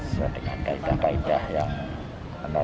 sesuai dengan kaedah kaedah yang ada